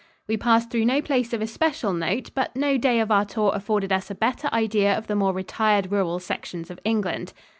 We passed through no place of especial note, but no day of our tour afforded us a better idea of the more retired rural sections of England.